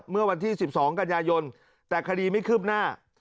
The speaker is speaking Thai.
เมื่อวันที่สิบสองกันยายนแต่คดีไม่ขึ้นหน้า